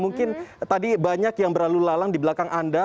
mungkin tadi banyak yang berlalu lalang di belakang anda